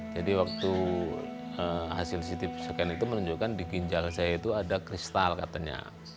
jadi waktu hasil ct scan itu menunjukkan di ginjal saya itu ada kristal katanya